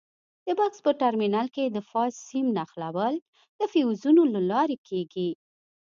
د بکس په ټرمینل کې د فاز سیم نښلول د فیوزونو له لارې کېږي.